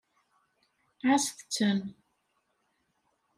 Ɛasset-ten.